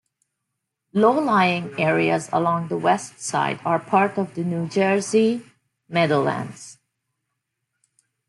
Low-lying areas along the west side are part of the New Jersey Meadowlands.